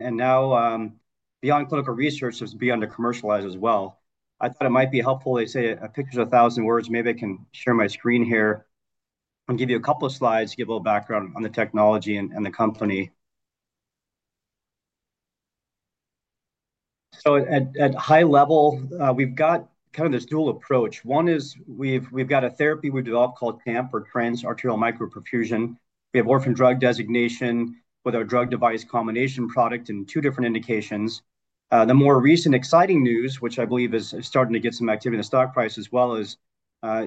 Now, beyond clinical research, it's beyond to commercialize as well. I thought it might be helpful. They say a picture's a thousand words. Maybe I can share my screen here and give you a couple of slides, give a little background on the technology and the company. At high level, we've got kind of this dual approach. One is we've got a therapy we've developed called TAMP for transarterial microperfusion. We have orphan drug designation with our drug-device combination product in two different indications. The more recent exciting news, which I believe is starting to get some activity in the stock price as well, is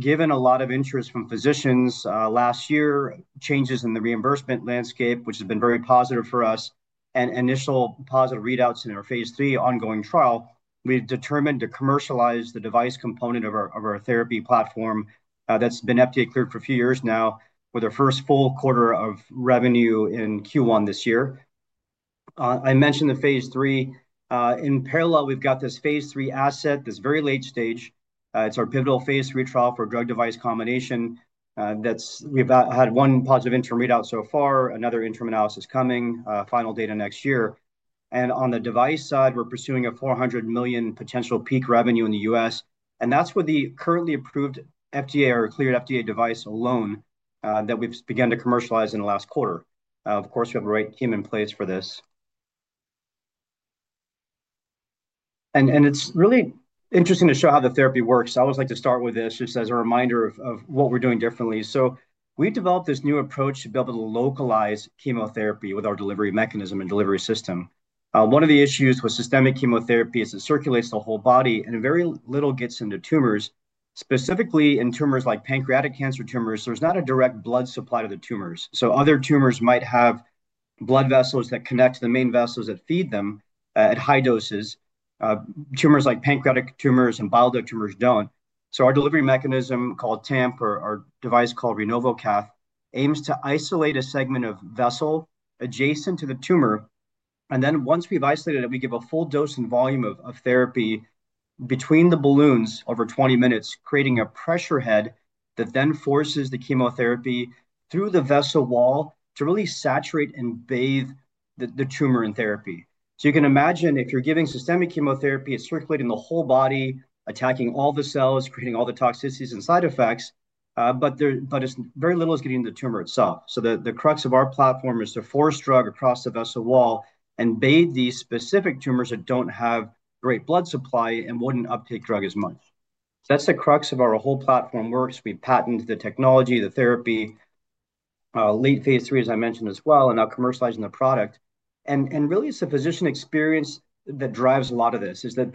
given a lot of interest from physicians last year, changes in the reimbursement landscape, which has been very positive for us, and initial positive readouts in our phase 3 ongoing trial. We've determined to commercialize the device component of our therapy platform that's been FDA cleared for a few years now with our first full quarter of revenue in Q1 this year. I mentioned the phase 3. In parallel, we've got this phase 3 asset, this very late stage. It's our pivotal phase 3 trial for drug-device combination. We've had one positive interim readout so far, another interim analysis coming, final data next year. On the device side, we're pursuing a $400 million potential peak revenue in the U.S. That's with the currently approved FDA or cleared FDA device alone that we've begun to commercialize in the last quarter. Of course, we have the right team in place for this. It's really interesting to show how the therapy works. I always like to start with this just as a reminder of what we're doing differently. We've developed this new approach to be able to localize chemotherapy with our delivery mechanism and delivery system. One of the issues with systemic chemotherapy is it circulates the whole body and very little gets into tumors. Specifically in tumors like pancreatic cancer tumors, there's not a direct blood supply to the tumors. Other tumors might have blood vessels that connect to the main vessels that feed them at high doses. Tumors like pancreatic tumors and bile duct tumors do not. Our delivery mechanism called TAMP or our device called RenovoCath aims to isolate a segment of vessel adjacent to the tumor. Once we've isolated it, we give a full dose and volume of therapy between the balloons over 20 minutes, creating a pressure head that then forces the chemotherapy through the vessel wall to really saturate and bathe the tumor in therapy. You can imagine if you're giving systemic chemotherapy, it's circulating the whole body, attacking all the cells, creating all the toxicities and side effects, but it's very little that's getting into the tumor itself. The crux of our platform is to force drug across the vessel wall and bathe these specific tumors that don't have great blood supply and wouldn't uptake drug as much. That's the crux of how our whole platform works. We patent the technology, the therapy, late phase 3, as I mentioned as well, and now commercializing the product. Really, it's the physician experience that drives a lot of this. It's an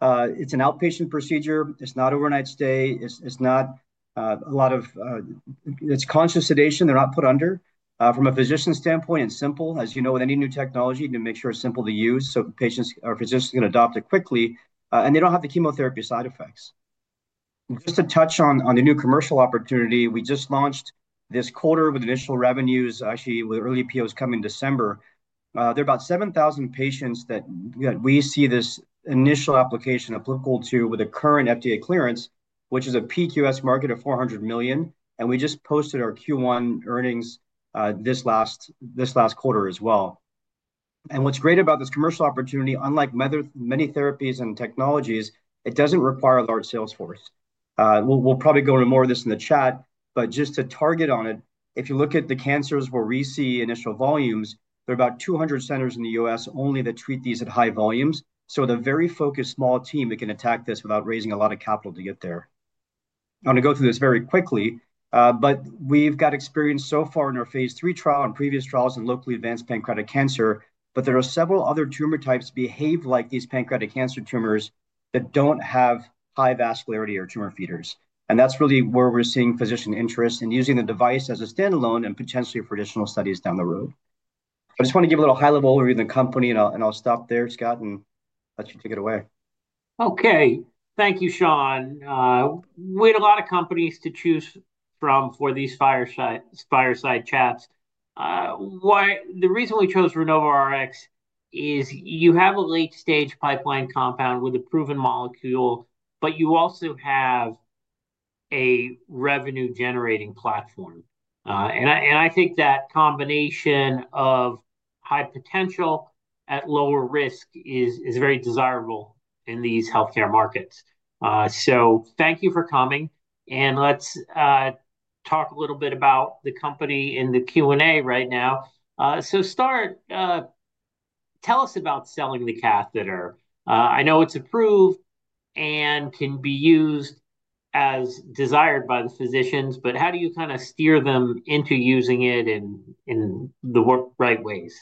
outpatient procedure. It's not overnight stay. It's not a lot of—it's conscious sedation. They're not put under from a physician standpoint and simple. As you know, with any new technology, you need to make sure it's simple to use. Patients or physicians can adopt it quickly, and they don't have the chemotherapy side effects. Just to touch on the new commercial opportunity, we just launched this quarter with initial revenues, actually with early POs coming in December. There are about 7,000 patients that we see this initial application applicable to with a current FDA clearance, which is a peak US market of $400 million. We just posted our Q1 earnings this last quarter as well. What's great about this commercial opportunity, unlike many therapies and technologies, is it doesn't require a large sales force. We'll probably go into more of this in the chat, but just to target on it, if you look at the cancers where we see initial volumes, there are about 200 centers in the U.S. only that treat these at high volumes. With a very focused small team, we can attack this without raising a lot of capital to get there. I'm going to go through this very quickly, but we've got experience so far in our phase 3 trial and previous trials in locally advanced pancreatic cancer, but there are several other tumor types that behave like these pancreatic cancer tumors that don't have high vascularity or tumor feeders. That's really where we're seeing physician interest in using the device as a standalone and potentially for additional studies down the road. I just want to give a little high-level overview of the company, and I'll stop there, Scott, and let you take it away. Okay. Thank you, Shaun. We had a lot of companies to choose from for these fireside chats. The reason we chose RenovoRx is you have a late-stage pipeline compound with a proven molecule, but you also have a revenue-generating platform. I think that combination of high potential at lower risk is very desirable in these healthcare markets. Thank you for coming. Let's talk a little bit about the company in the Q&A right now. To start, tell us about selling the catheter. I know it's approved and can be used as desired by the physicians, but how do you kind of steer them into using it in the right ways?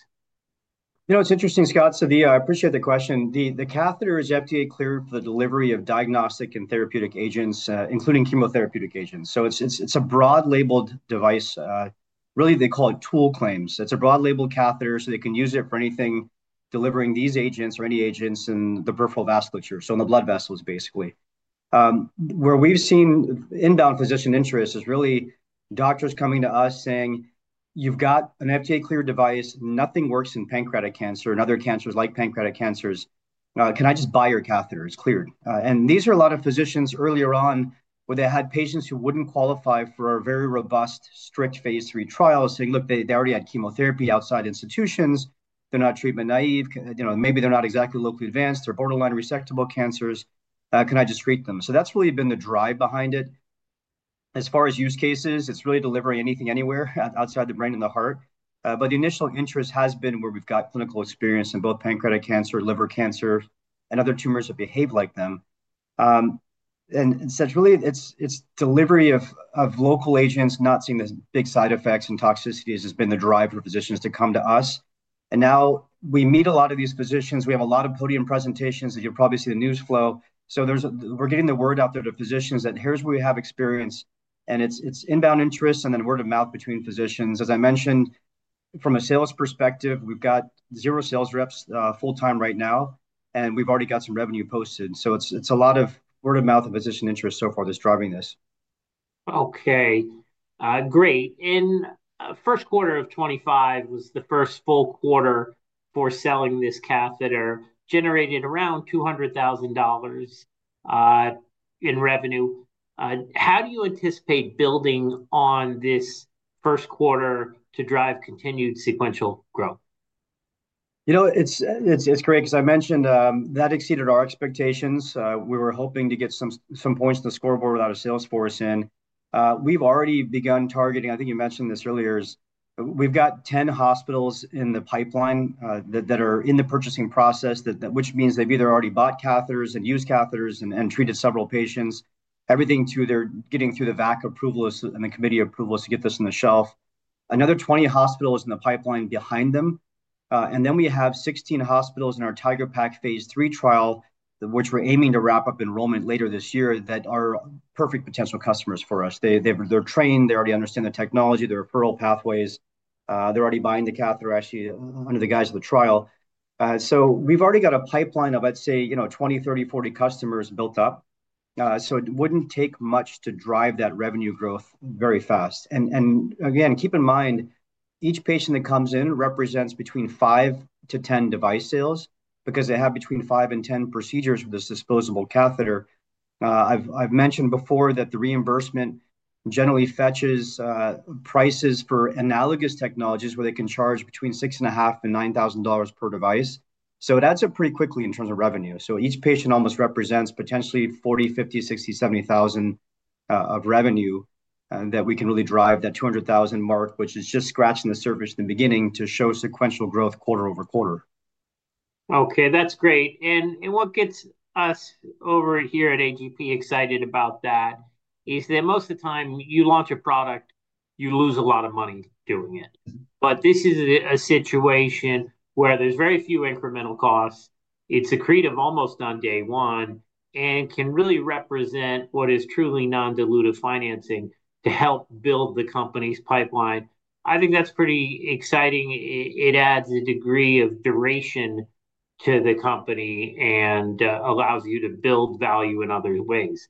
You know, it's interesting, Scott. I appreciate the question. The catheter is FDA cleared for the delivery of diagnostic and therapeutic agents, including chemotherapeutic agents. It's a broad-labeled device. Really, they call it tool claims. It's a broad-labeled catheter, so they can use it for anything delivering these agents or any agents in the peripheral vasculature, so in the blood vessels basically. Where we've seen inbound physician interest is really doctors coming to us saying, "You've got an FDA cleared device. Nothing works in pancreatic cancer and other cancers like pancreatic cancers. Can I just buy your catheter? It's cleared." These are a lot of physicians earlier on where they had patients who wouldn't qualify for our very robust, strict phase 3 trials saying, "Look, they already had chemotherapy outside institutions. They're not treatment naive. Maybe they're not exactly locally advanced. They're borderline resectable cancers. Can I just treat them?" That has really been the drive behind it. As far as use cases, it is really delivering anything anywhere outside the brain and the heart. The initial interest has been where we have clinical experience in both pancreatic cancer, liver cancer, and other tumors that behave like them. It is really delivery of local agents, not seeing the big side effects and toxicities, that has been the drive for physicians to come to us. Now we meet a lot of these physicians. We have a lot of podium presentations that you will probably see in the news flow. We are getting the word out there to physicians that, "Here is where we have experience." It is inbound interest and then word of mouth between physicians. As I mentioned, from a sales perspective, we've got zero sales reps full-time right now, and we've already got some revenue posted. It is a lot of word of mouth and physician interest so far that's driving this. Okay. Great. In first quarter of 2025 was the first full quarter for selling this catheter, generated around $200,000 in revenue. How do you anticipate building on this first quarter to drive continued sequential growth? You know, it's great because I mentioned that exceeded our expectations. We were hoping to get some points in the scoreboard without a sales force in. We've already begun targeting, I think you mentioned this earlier, we've got 10 hospitals in the pipeline that are in the purchasing process, which means they've either already bought catheters and used catheters and treated several patients. Everything to they're getting through the VAC approvals and the committee approvals to get this on the shelf. Another 20 hospitals in the pipeline behind them. We have 16 hospitals in our TIGeR-PaC phase 3 trial, which we're aiming to wrap up enrollment later this year that are perfect potential customers for us. They're trained. They already understand the technology, the referral pathways. They're already buying the catheter, actually, under the guise of the trial. We've already got a pipeline of, I'd say, 20, 30, 40 customers built up. It wouldn't take much to drive that revenue growth very fast. Again, keep in mind, each patient that comes in represents between 5-10 device sales because they have between 5 and 10 procedures with this disposable catheter. I've mentioned before that the reimbursement generally fetches prices for analogous technologies where they can charge between $6,500-$9,000 per device. It adds up pretty quickly in terms of revenue. Each patient almost represents potentially $40,000-$70,000 of revenue that we can really drive that $200,000 mark, which is just scratching the surface in the beginning to show sequential growth quarter-over-quarter. Okay. That's great. What gets us over here at AGP excited about that is that most of the time you launch a product, you lose a lot of money doing it. This is a situation where there's very few incremental costs. It's accretive almost on day one and can really represent what is truly non-dilutive financing to help build the company's pipeline. I think that's pretty exciting. It adds a degree of duration to the company and allows you to build value in other ways.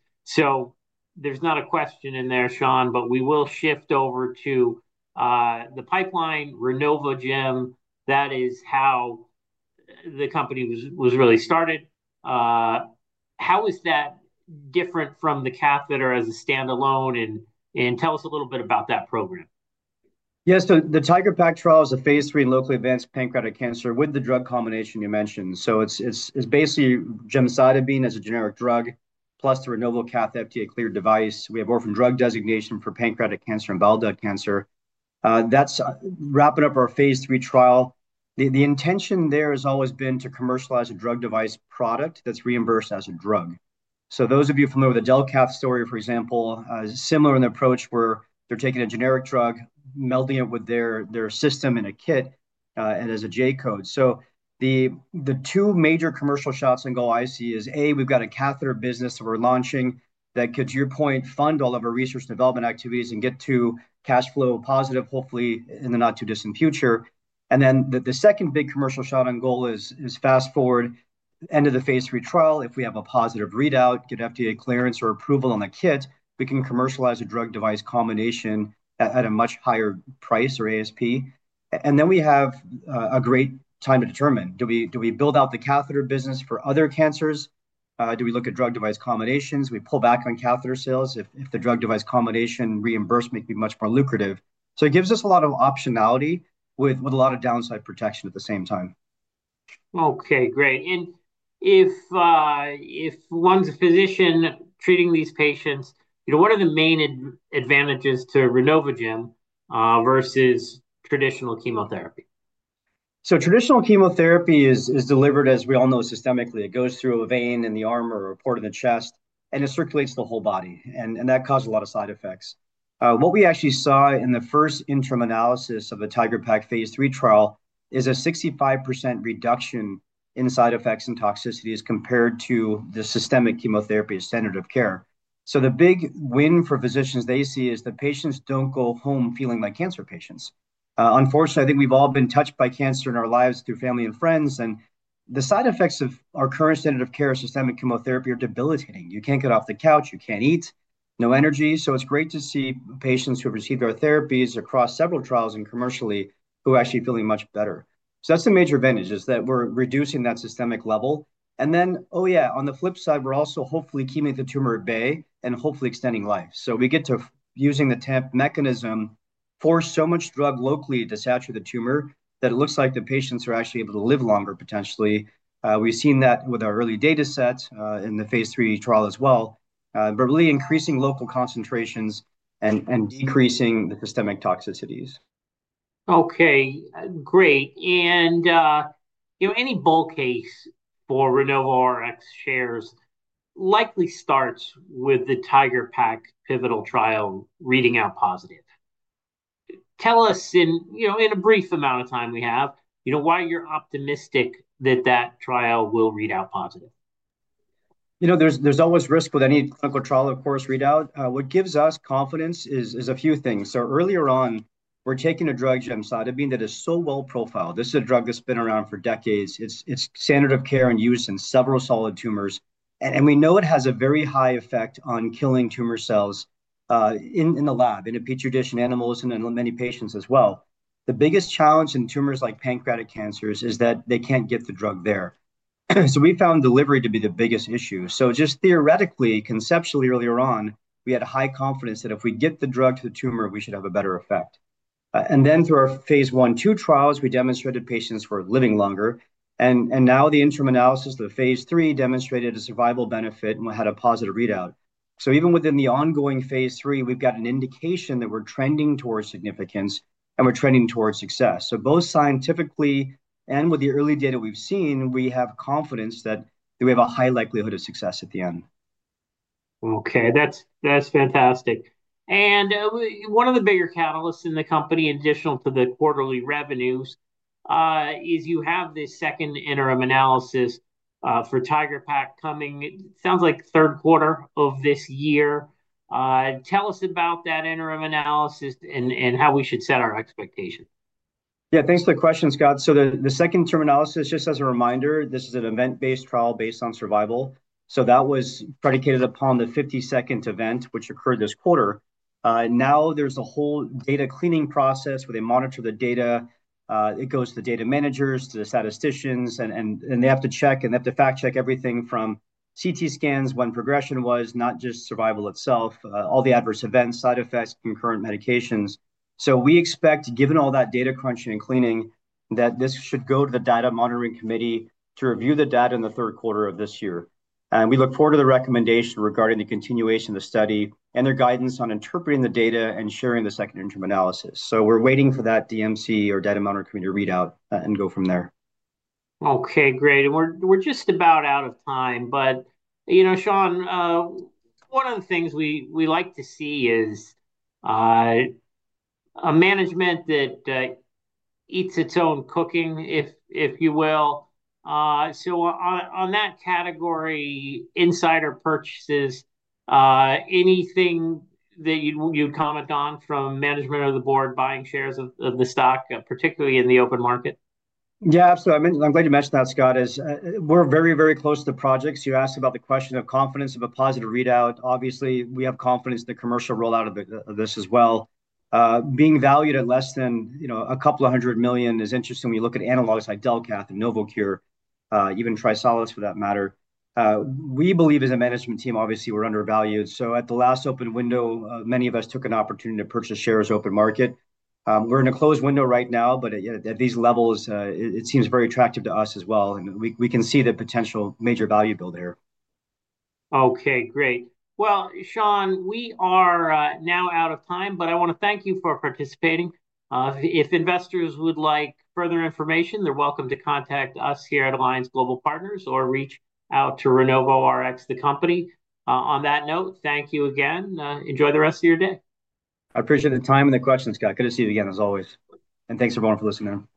There's not a question in there, Shaun, but we will shift over to the pipeline, RenovoGem. That is how the company was really started. How is that different from the catheter as a standalone? Tell us a little bit about that program. Yeah. The TIGeR-PaC trial is a phase 3 locally advanced pancreatic cancer with the drug combination you mentioned. It's basically gemcitabine as a generic drug plus the RenovoCath FDA-cleared device. We have orphan drug designation for pancreatic cancer and bile duct cancer. That's wrapping up our phase 3 trial. The intention there has always been to commercialize a drug-device product that's reimbursed as a drug. Those of you familiar with the Delcath story, for example, similar in the approach where they're taking a generic drug, melding it with their system in a kit and as a J code. The two major commercial shots in goal I see is, A, we've got a catheter business that we're launching that could, to your point, fund all of our research and development activities and get to cash flow positive, hopefully, in the not too distant future. The second big commercial shot on goal is fast forward end of the phase 3 trial. If we have a positive readout, get FDA clearance or approval on the kit, we can commercialize a drug-device combination at a much higher price or ASP. We have a great time to determine. Do we build out the catheter business for other cancers? Do we look at drug-device combinations? We pull back on catheter sales if the drug-device combination reimbursement could be much more lucrative. It gives us a lot of optionality with a lot of downside protection at the same time. Okay. Great. If one's a physician treating these patients, what are the main advantages to RenovoGem versus traditional chemotherapy? Traditional chemotherapy is delivered, as we all know, systemically. It goes through a vein in the arm or a port in the chest, and it circulates the whole body. That causes a lot of side effects. What we actually saw in the first interim analysis of the TIGeR-PaC phase 3 trial is a 65% reduction in side effects and toxicities compared to the systemic chemotherapy standard of care. The big win for physicians they see is the patients do not go home feeling like cancer patients. Unfortunately, I think we have all been touched by cancer in our lives through family and friends. The side effects of our current standard of care systemic chemotherapy are debilitating. You cannot get off the couch. You cannot eat. No energy. It's great to see patients who have received our therapies across several trials and commercially who are actually feeling much better. That's the major advantage, that we're reducing that systemic level. On the flip side, we're also hopefully keeping the tumor at bay and hopefully extending life. We get to using the TAMP mechanism for so much drug locally to saturate the tumor that it looks like the patients are actually able to live longer potentially. We've seen that with our early data sets in the phase 3 trial as well, but really increasing local concentrations and decreasing the systemic toxicities. Okay. Great. Any bull case for RenovoRx shares likely starts with the TIGeR-PaC pivotal trial reading out positive. Tell us in the brief amount of time we have, why you're optimistic that that trial will read out positive. There's always risk with any clinical trial, of course, readout. What gives us confidence is a few things. Earlier on, we're taking a drug, gemcitabine, that is so well profiled. This is a drug that's been around for decades. It's standard of care and used in several solid tumors. We know it has a very high effect on killing tumor cells in the lab, in a petri dish, in animals, and in many patients as well. The biggest challenge in tumors like pancreatic cancers is that they can't get the drug there. We found delivery to be the biggest issue. Just theoretically, conceptually earlier on, we had high confidence that if we get the drug to the tumor, we should have a better effect. Through our phase 1/2 trials, we demonstrated patients were living longer. The interim analysis of the phase 3 demonstrated a survival benefit and we had a positive readout. Even within the ongoing phase 3, we've got an indication that we're trending towards significance and we're trending towards success. Both scientifically and with the early data we've seen, we have confidence that we have a high likelihood of success at the end. Okay. That's fantastic. One of the bigger catalysts in the company, in addition to the quarterly revenues, is you have this second interim analysis for TIGeR-PaC coming, it sounds like, third quarter of this year. Tell us about that interim analysis and how we should set our expectation. Yeah. Thanks for the question, Scott. The second interim analysis, just as a reminder, this is an event-based trial based on survival. That was predicated upon the 52nd event, which occurred this quarter. Now there's a whole data cleaning process where they monitor the data. It goes to the data managers, to the statisticians, and they have to check and they have to fact-check everything from CT scans, when progression was, not just survival itself, all the adverse events, side effects, concurrent medications. We expect, given all that data crunching and cleaning, that this should go to the data monitoring committee to review the data in the third quarter of this year. We look forward to the recommendation regarding the continuation of the study and their guidance on interpreting the data and sharing the second interim analysis. We're waiting for that DMC or data monitoring committee to read out and go from there. Okay. Great. We're just about out of time. You know, Shaun, one of the things we like to see is a management that eats its own cooking, if you will. On that category, insider purchases, anything that you'd comment on from management or the board buying shares of the stock, particularly in the open market? Yeah, absolutely. I'm glad you mentioned that, Scott, as we're very, very close to the projects. You asked about the question of confidence of a positive readout. Obviously, we have confidence in the commercial rollout of this as well. Being valued at less than a couple of hundred million is interesting when you look at analogs like Delcath and Novocure, even TriSalus for that matter. We believe as a management team, obviously, we're undervalued. At the last open window, many of us took an opportunity to purchase shares open market. We're in a closed window right now, but at these levels, it seems very attractive to us as well. We can see the potential major value build here. Okay. Great. Shaun, we are now out of time, but I want to thank you for participating. If investors would like further information, they're welcome to contact us here at Alliance Global Partners or reach out to RenovoRx, the company. On that note, thank you again. Enjoy the rest of your day. I appreciate the time and the questions, Scott. Good to see you again, as always. Thanks everyone for listening in.